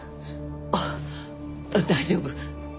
ああ大丈夫。